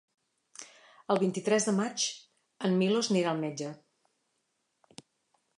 El vint-i-tres de maig en Milos anirà al metge.